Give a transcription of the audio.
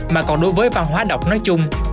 mà còn đối với văn hóa đọc nói chung